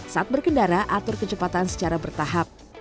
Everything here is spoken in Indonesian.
saat berkendara atur kecepatan secara bertahap